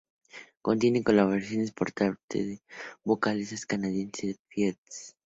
Contiene colaboraciones por parte de la vocalista canadiense Feist.